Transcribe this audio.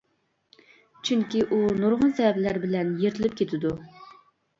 چۈنكى ئۇ نۇرغۇن سەۋەبلەر بىلەن يىرتىلىپ كېتىدۇ.